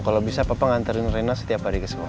kalau bisa papa nganterin rena setiap hari ke sekolah